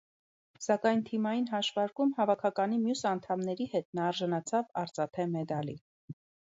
Սակայն թիմային հաշվարկում հավաքականի մյուս անդամների հետ նա արժանացավ արծաթե մեդալի։